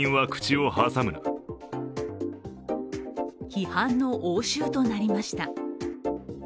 批判の応酬となりました。